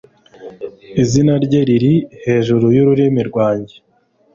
Izina rye riri hejuru yururimi rwanjye.